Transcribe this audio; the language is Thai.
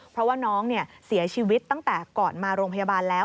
เพราะว่าน้องเสียชีวิตตั้งแต่ก่อนมาโรงพยาบาลแล้ว